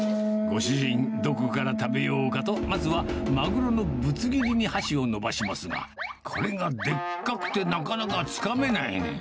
ご主人、どこから食べようかと、まずはマグロのぶつ切りに箸をのばしますが、これがでっかくてなかなかつかめない。